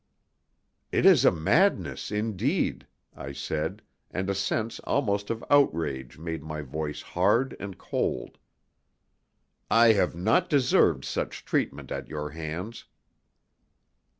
"It is a madness indeed," I said, and a sense almost of outrage made my voice hard and cold. "I have not deserved such treatment at your hands."